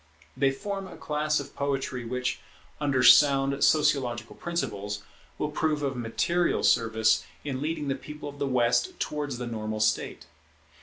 They form a class of poetry which, under sound sociological principles, will prove of material service in leading the people of the West towards the normal state.